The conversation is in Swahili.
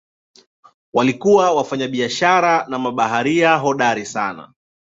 Walikuwa wafanyabiashara na mabaharia hodari sana.